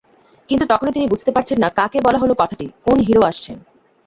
কিন্তু তখনো তিনি বুঝতে পারছেন না, কাকে বলা হলো কথাটি—কোন হিরো আসছেন।